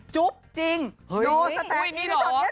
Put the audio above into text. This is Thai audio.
จุ๊บจริงโดยแสดง